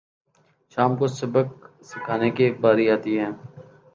شام کو سبق سکھانے کی باری آتی ہے